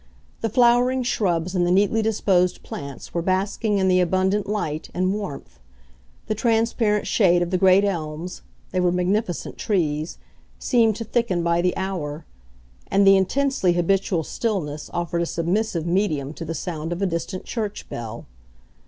The flowering shrubs and the neatly disposed plants were basking in the abundant light and warmth; the transparent shade of the great elms—they were magnificent trees—seemed to thicken by the hour; and the intensely habitual stillness offered a submissive medium to the sound of a distant church bell.